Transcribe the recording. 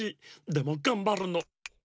でもがんばるの。